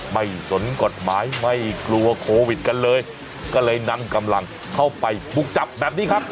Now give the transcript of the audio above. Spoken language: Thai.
สนกฎหมายไม่กลัวโควิดกันเลยก็เลยนำกำลังเข้าไปบุกจับแบบนี้ครับ